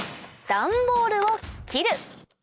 段ボールを切る！